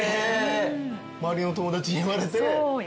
周りの友達に言われて。